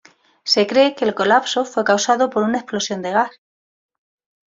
Se cree que el colapso fue causado por una explosión de gas.